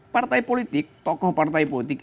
partai politik tokoh partai politik